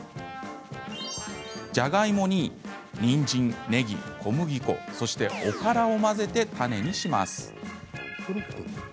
じゃがいもに、にんじん、ねぎ小麦粉、そしておからを混ぜてタネにします。